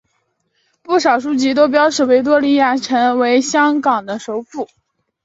不少书籍都标示维多利亚城为香港的首府。